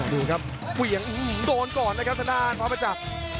ดูครับเวียงโดนก่อนนะครับสนานภาพประจักษ์